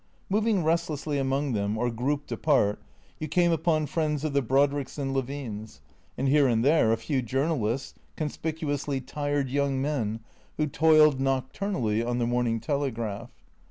Moving restlessly among them, or grouped apart, you came upon friends of the Brodricks and Levines, and here and there a few journalists, conspicuously tired young men who toiled nocturnally on the " Morning Telegraph."